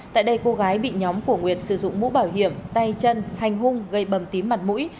tại đây cô gái bị nhóm của nguyệt sử dụng mũ bảo hiểm tay chân hành hung gây bầm tím mặt mũi